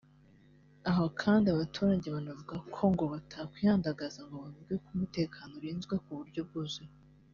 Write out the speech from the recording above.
Aho kandi abo baturage banavuga ko ngo batakwihandagaza ngo bavuge ko umutekano urinzwe ku buryo bwuzuye